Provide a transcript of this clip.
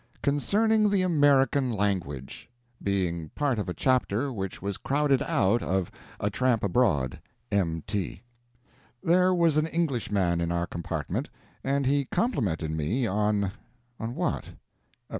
CONCERNING THE AMERICAN LANGUAGE [Being part of a chapter which was crowded out of "A Tramp Abroad." M.T.] There was as Englishman in our compartment, and he complimented me on on what?